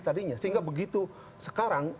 tadinya sehingga begitu sekarang